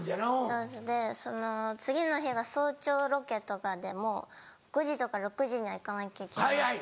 そうですでその次の日が早朝ロケとかでもう５時とか６時には行かなきゃいけなくて。